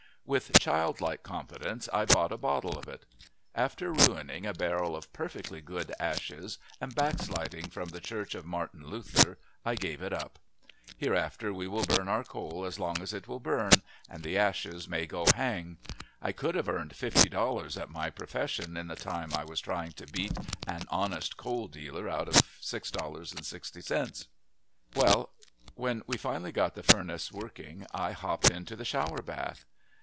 With childlike confidence I bought a bottle of it. After ruining a barrel of perfectly good ashes and backsliding from the church of Martin Luther I gave it up. Hereafter we will burn our coal as long as it will burn, and the ashes may go hang! I could have earned $50 at my profession in the time I was trying to beat an honest coal dealer out of $6.60. Well, when we finally got the furnace working I hopped into the shower bath.